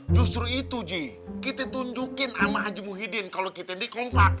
justru itu ji kita tunjukin sama haji muhyiddin kalau kita ini kompak